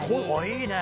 いいね！